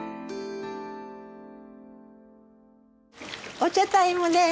お茶タイムです！